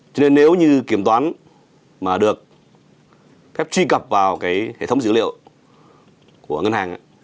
cho nên nếu như kiểm toán mà được phép truy cập vào cái hệ thống dữ liệu của ngân hàng